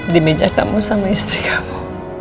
di meja kamu sama istri kamu